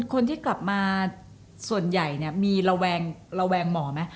คนที่กลับมาส่วนใหญ่มีระแวงหมอไหม